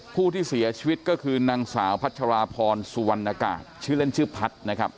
ผู้ที่เสียชีวิตก็คือนางสาวพัชราพรสุวรรณกาศชื่อเล่นชื่อพัฒน์นะครับ